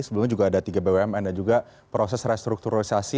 sebelumnya juga ada tiga bumn dan juga proses restrukturisasi